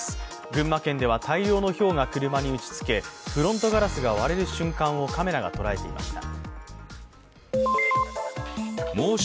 群馬県では、大量のひょうが車に打ちつけ、フロントガラスが割れる瞬間をカメラが捉えていました。